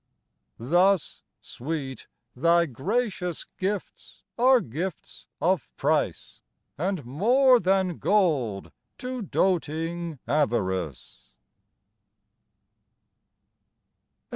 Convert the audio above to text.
Thus, sweet, thy gracious gifts are gifts of price, And more than gold to doting Avarice.